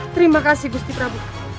terima kasih gusti prabu